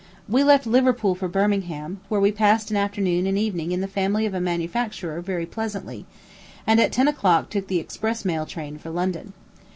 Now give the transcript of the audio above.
We left Liverpool for Birmingham, where we passed an afternoon and evening in the family of a manufacturer very pleasantly, and at ten o'clock took the express mail train for London.